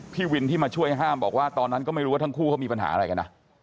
พี่วินที่มาช่วยห้ามบอกว่าตอนนั้นก็ไม่รู้ว่าทั้งคู่เขามีปัญหาอะไรกันนะ